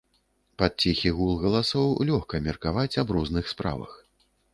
Пад ціхі гул галасоў лёгка меркаваць аб розных справах.